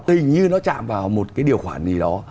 tình như nó chạm vào một cái điều khoản gì đó